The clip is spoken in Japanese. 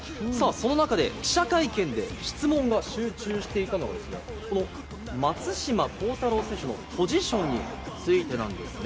その中で、記者会見で質問が集中していたのが松島幸太朗選手のポジションについてなんですね。